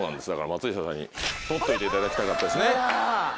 松下さんに取っておいていただきたかったですね。